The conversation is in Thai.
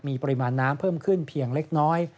มีปริมาณน้ำเพิ่มขึ้นเพียงเล็กน้อย